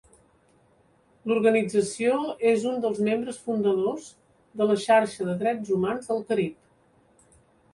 L'organització és un dels membres fundadors de la Xarxa de Drets Humans del Carib.